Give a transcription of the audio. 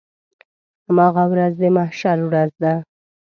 هماغه ورځ د محشر ورځ ده.